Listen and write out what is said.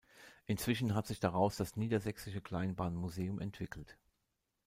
Inzwischen hat sich daraus das „Niedersächsische Kleinbahn-Museum“ entwickelt.